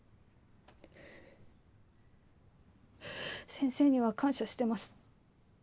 先生には感謝してます。